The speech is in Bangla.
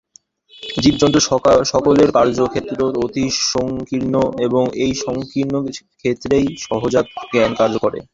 জীবজন্তু সকলের কার্যক্ষেত্র অতি সঙ্কীর্ণ এবং এই সঙ্কীর্ণ ক্ষেত্রেই সহজাত জ্ঞান কার্য করে।